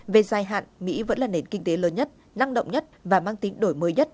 về dài hạn mỹ vẫn là nền kinh tế lớn nhất năng động nhất và mang tính đổi mới nhất